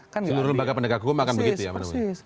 seluruh lembaga penegak hukum akan begitu ya